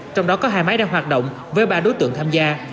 trong đó có hai máy đang hoạt động với ba đối tượng tham gia